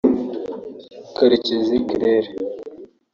Karekezi Claire